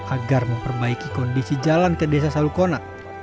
agar memperbaiki kondisi jalan ke desa salukona